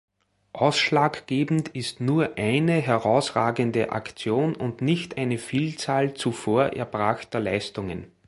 Ausschlaggebend ist nur "eine" herausragende Aktion und nicht eine Vielzahl zuvor erbrachter Leistungen.